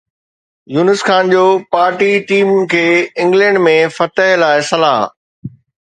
يونس خان جو ڀارتي ٽيم کي انگلينڊ ۾ فتح لاءِ صلاح